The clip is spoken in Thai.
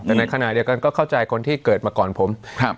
แต่ในขณะเดียวกันก็เข้าใจคนที่เกิดมาก่อนผมครับ